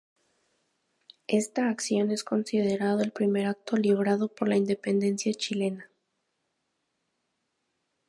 Esta acción es considerado el primer acto librado por la independencia chilena.